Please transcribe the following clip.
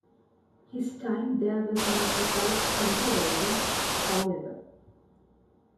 His time there was not without controversy, however.